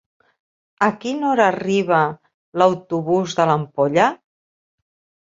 A quina hora arriba l'autobús de l'Ampolla?